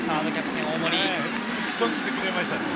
打ち損じてくれましたね。